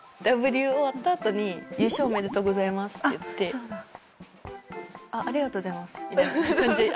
Ｗ終わったあとに「優勝おめでとうございます」って言って「あっありがとうございます」みたいな感じあって。